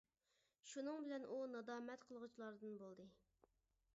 شۇنىڭ بىلەن ئۇ نادامەت قىلغۇچىلاردىن بولدى.